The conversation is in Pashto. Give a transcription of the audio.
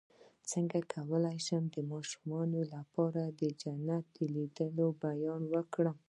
څنګه کولی شم د ماشومانو لپاره د جنت د لیدلو بیان کړم